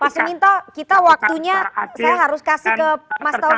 pak suminto kita waktunya saya harus kasih ke mas taufik